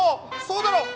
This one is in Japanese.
そうだろ？